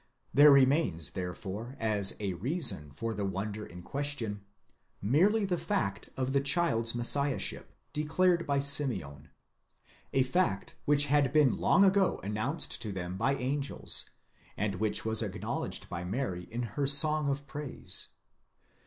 There remains therefore as a reason for the wonder in question, merely the fact of the child's Messiahship, declared by Simeon ; a fact which had been long ago announced to them by angels, and which was acknowledged by Mary in her song of praise.